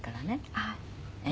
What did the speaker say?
はい。